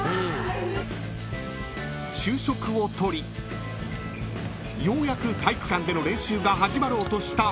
［昼食を取りようやく体育館での練習が始まろうとした］